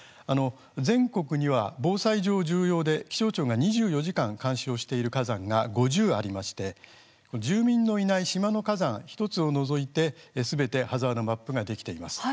全国には防災上重要で気象庁が２４時間監視している火山が５０ありまして住民のいない島の火山１つを除いてすべてハザードマップができています。